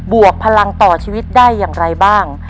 วกพลังต่อชีวิตได้อย่างไรบ้าง